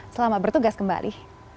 selamat bertugas kembali